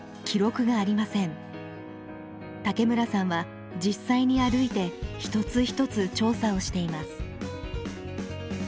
武村さんは実際に歩いて一つ一つ調査をしています。